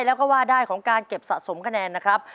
แล้วก็ว่าได้ของการเก็บสะสมคะแนนนะครับ